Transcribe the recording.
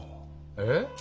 えっ？